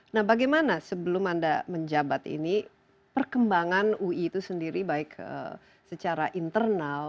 nah bagaimana sebelum anda menjabat ini perkembangan ui itu sendiri baik secara internal